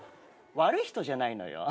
悪い人じゃないのよ。